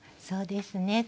そうですね。